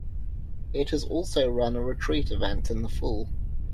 It has also run a retreat event in the fall.